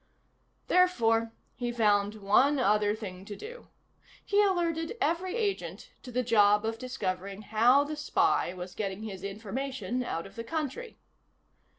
Therefore, he found one other thing to do. He alerted every agent to the job of discovering how the spy was getting his information out of the country.